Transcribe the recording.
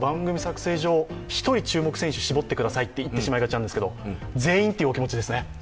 １人注目選手を絞ってくださいと言ってしまいがちですが全員というお気持ちですね？